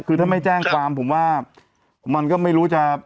คือถ้าไม่แจ้งความผมว่ามันก็ไม่รู้จะ